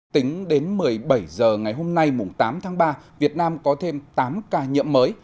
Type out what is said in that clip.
tính đến một mươi bảy h ngày hôm nay tám tháng ba việt nam có thêm tám ca nhiễm mới